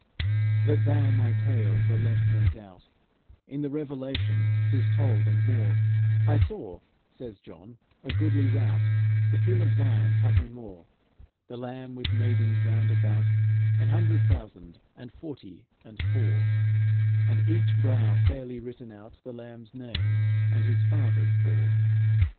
"That thou my tale the less may doubt, In the Revelation 'tis told, and more: 'I saw,' says John, 'a goodly rout The hill of Zion covering o'er, The Lamb, with maidens round about, An hundred thousand and forty and four, And each brow, fairly written out, The Lamb's name and His Father's bore.